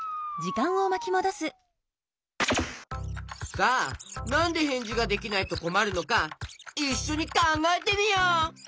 さあなんでへんじができないとこまるのかいっしょにかんがえてみよう！